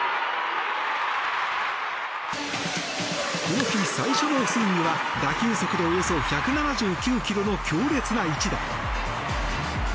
この日最初のスイングは打球速度およそ１７９ｋｍの強烈な一打。